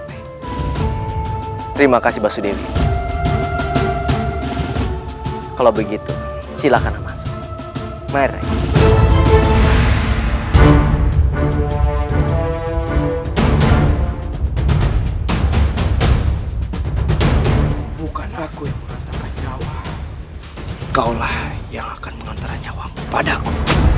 anope terima kasih basudewi kalau begitu silakan masuk meraih bukan aku yang mengantar nyawa kau lah yang akan mengantar nyawa padaku